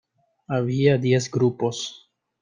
Había diez grupos.